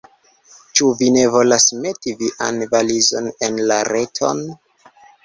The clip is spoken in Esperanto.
Ĉu vi ne volas meti vian valizon en la reton?